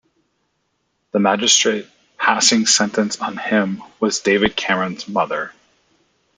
The magistrate passing sentence on him was David Cameron's mother.